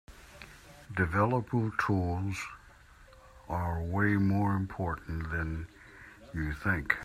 Developer Tools are way more important than you think.